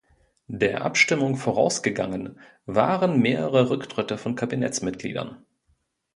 Der Abstimmung vorausgegangen waren mehrere Rücktritte von Kabinettsmitgliedern.